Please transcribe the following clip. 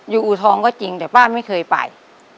อูทองก็จริงแต่ป้าไม่เคยไป